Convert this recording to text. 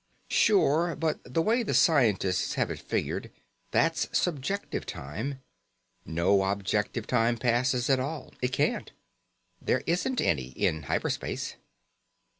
"Sure, but the way scientists have it figured, that's subjective time. No objective time passes at all. It can't. There isn't any in hyper space."